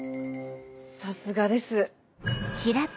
さすがです。